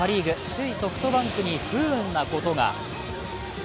首位・ソフトバンクに不運なことが。